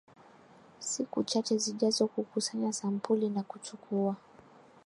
siku chache zijazo kukusanya sampuli na kuchukua